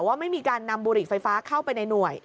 ว่าไม่มีการนำบุหรี่ไฟฟ้าเข้าไปในหน่วย